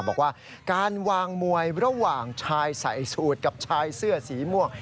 บอกว่าการวางมวยระหว่างชายใส่สูตรกับชายเสื้อสีม่วง